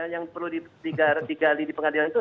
yang perlu digali di pengadilan itu